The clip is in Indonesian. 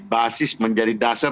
basis menjadi dasar